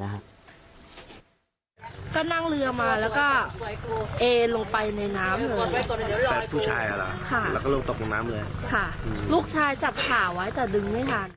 แล้วก็ลงตกลงน้ำเลยลูกชายจับขาไว้แต่ดึงไม่ทัน